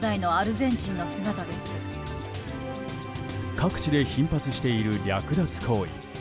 各地で頻発している略奪行為。